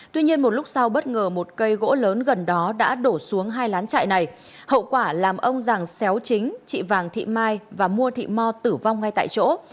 tuy nhiên một lúc sau bất ngờ một cây gỗ lớn gần đó đã đổ xuống hai lán chạy này hậu quả làm ông giàng xéo chính chị vàng thị mai và mua thị mo tử vong ngay tại chỗ